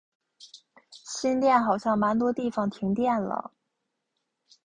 新店好像蛮多地方停电了